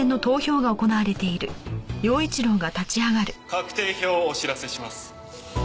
確定票をお知らせします。